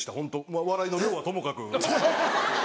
まぁ笑いの量はともかく。